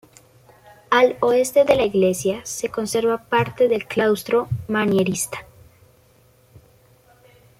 Al oeste de la iglesia, se conserva parte del claustro manierista.